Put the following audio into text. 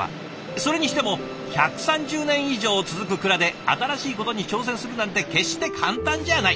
それにしても１３０年以上続く蔵で新しいことに挑戦するなんて決して簡単じゃない。